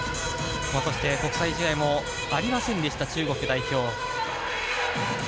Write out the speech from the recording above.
国際試合もありませんでした、中国代表。